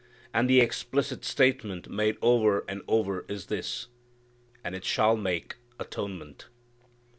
And the explicit statement made over and over is this, "and it shall make atonement."